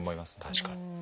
確かに。